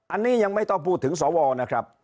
อันนี้ยังไม่ต้องพูดถึงสวนะครับ